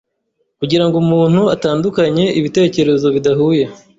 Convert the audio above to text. kugira ngo umuntu atandukanye ibitekerezo bidahuye